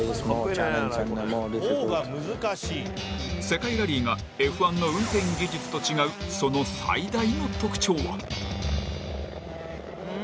世界ラリーがＦ１の運転技術と違うその最大の特徴は。